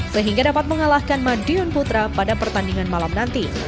sehingga dapat mengalahkan madiun putra pada pertandingan malam nanti